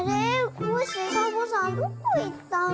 コッシーサボさんどこいったの？